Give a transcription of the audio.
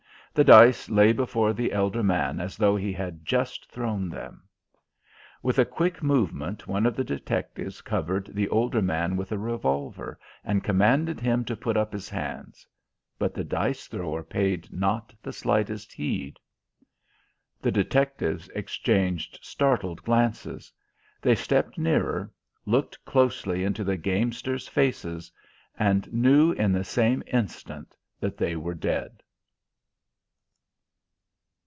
The dice lay before the elder man as though he had just thrown them. With a quick movement one of the detectives covered the older man with a revolver and commanded him to put up his hands. But the dice thrower paid not the slightest heed. The detectives exchanged startled glances. They stepped nearer, looked closely into the gamesters' faces, and knew in the same instant that they were dead.